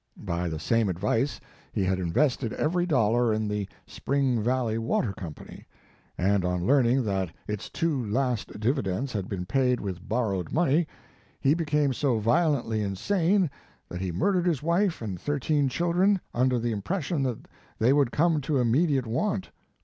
By the same advise he had invested every dollar in the Spring Valley Water Company, and, on learning that its two last dividends had been paid with borrowed money, he became so violently nsane, that he murdered his wife and thirteen children, under the impression that they would come to immediate want.